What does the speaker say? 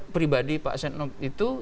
pribadi pak senop itu